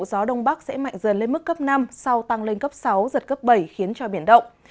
gió đông bắc sẽ mạnh dần lên mức cấp năm sau tăng lên cấp sáu giật cấp bảy khiến cho biển động